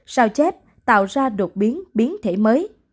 sao chép tạo ra đột biến biến thể mới